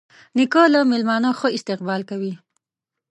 نیکه له میلمانه ښه استقبال کوي.